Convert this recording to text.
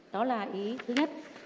đó là ý thứ nhất